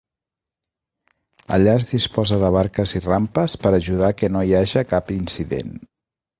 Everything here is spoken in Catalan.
Allà es disposa de barques i rampes per ajudar que no hi haja cap incident.